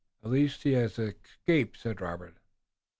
"At least he has escaped," said Robert.